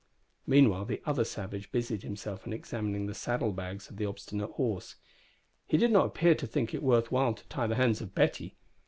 Meanwhile the other savage busied himself in examining the saddle bags of the obstinate horse. He did not appear to think it worth while to tie the hands of Betty!